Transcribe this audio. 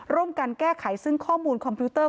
ร่วมกันแก้ไขซึ่งข้อมูลคอมพิวเตอร์